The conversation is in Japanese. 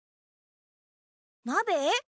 なべ？